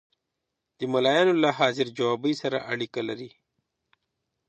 د ملایانو له حاضر جوابي سره اړیکې لري.